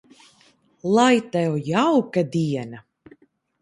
Lai Tev jauka diena!